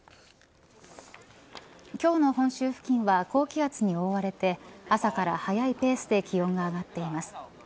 今日の本州付近は高気圧に覆われて朝から速いペースで気温が上がっています。